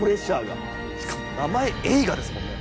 しかも名前栄花ですもんね。